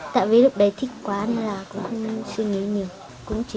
tại vì lúc đấy thích quá nên là cũng suy nghĩ nhiều